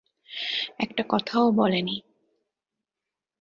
একটা কথাও বলেনি।